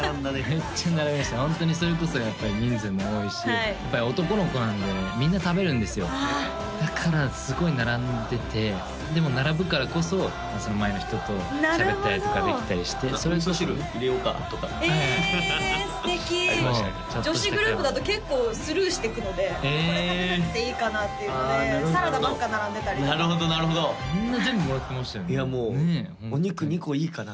めっちゃ並びましたホントにそれこそやっぱり人数も多いしやっぱり男の子なんでみんな食べるんですよだからすごい並んでてでも並ぶからこそ前の人としゃべったりとかできたりして「お味噌汁入れようか？」とかええ素敵ありましたね女子グループだと結構スルーしてくのでこれ食べなくていいかなっていうのでサラダばっか並んでたりとかなるほどなるほどみんな全部もらってましたよねいやもうお肉２個いいかな？